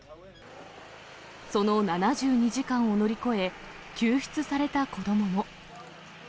その７２時間を乗り越え、救出された子どもも。